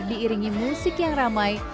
diiringi musik yang ramai